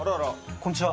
こんにちは。